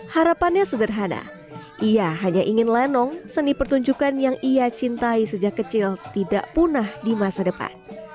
harapannya sederhana ia hanya ingin lenong seni pertunjukan yang ia cintai sejak kecil tidak punah di masa depan